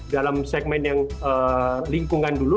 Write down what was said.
dalam segmen yang lingkungan dulu